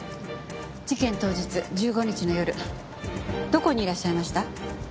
事件当日１５日の夜どこにいらっしゃいました？